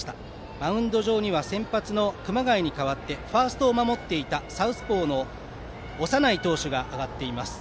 マウンド上には先発の熊谷に代わってファーストを守っていたサウスポーの長内投手が上がっています。